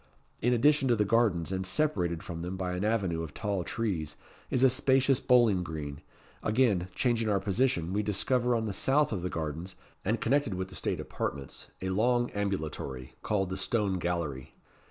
In addition to the gardens, and separated from them by an avenue of tall trees, is a spacious bowling green. Again changing our position, we discover, on the south of the gardens, and connected with the state apartments, a long ambulatory, called the Stone Gallery.